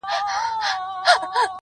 د ژوند تر پایه وړي،